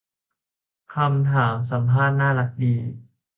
คำถามสัมภาษณ์น่ารักดี